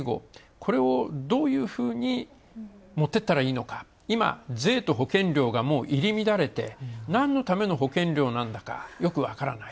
これをどういうふうにもっていったらいいのか、今、税と保険料が入り乱れてなんのための保険料なんだかよく分からない。